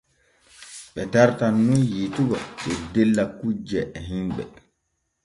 Ɓe dartan nun yiitugo teddella kujje e himɓe.